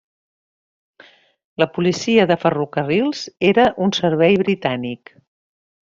La policia de ferrocarrils era un servei britànic.